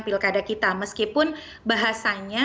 pilkada kita meskipun bahasanya